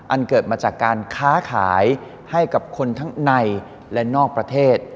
เกิดมาจากการค้าขายให้กับคนทั้งในและนอกประเทศ